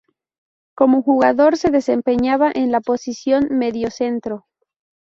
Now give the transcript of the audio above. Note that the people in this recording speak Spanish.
Como jugador se desempeñaba en la posición mediocentro.